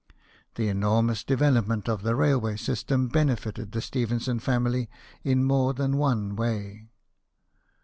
The enormous development of the railway system benefited the Stephenson family in more than one way.